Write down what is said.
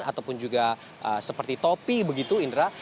ataupun juga seperti topi begitu indra